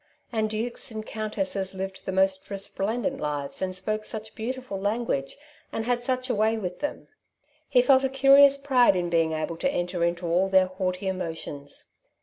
And dukes and countesses lived the most resplendent lives, and spoke such beautiful language, and had such a way with them! He felt a curious pride in being able to enter into all their haughty emotions.